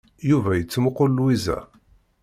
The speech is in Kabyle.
Yuba yettmuqul Lwiza.